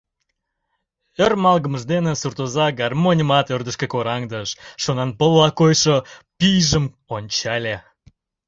Ӧрмалгымыж дене суртоза гармоньымат ӧрдыжкӧ кораҥдыш, шонанпылла койшо пийжым ончале.